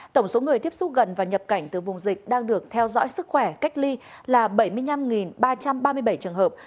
tổng số người tiếp xúc gần và nhập cảnh từ vùng dịch đang được theo dõi sức khỏe cách ly là bảy mươi năm ba trăm ba mươi bảy trường hợp